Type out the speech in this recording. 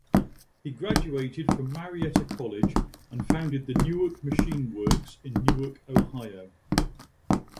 He graduated from Marietta College, and founded the Newark Machine Works in Newark, Ohio.